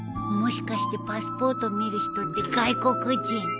もしかしてパスポート見る人って外国人？